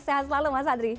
sehat selalu mas adri